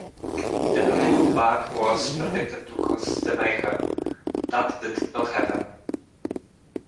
The millennium bug was predicted to cause the mayhem. That did not happen.